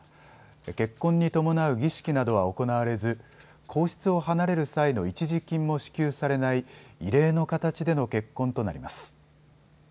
結婚に伴う儀式などは行われず皇室を離れる際の一時金も支給されない異例の形での結婚となります。